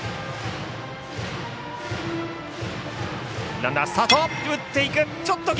ランナー、スタート。